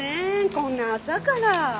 こんな朝から。